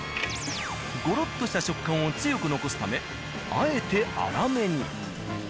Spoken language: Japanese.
ゴロッとした食感を強く残すためあえて粗めに。